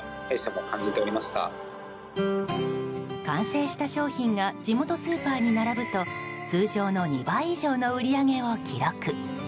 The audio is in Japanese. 完成した商品が地元スーパーに並ぶと通常の２倍以上の売り上げを記録。